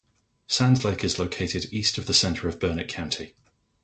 Sand Lake is located east of the center of Burnett County.